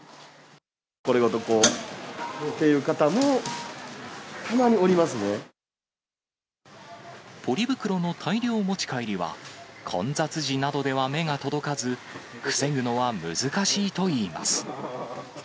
これごとという方もたまにおポリ袋の大量持ち帰りは、混雑時などでは目が届かず、防ぐのは難しいといいます。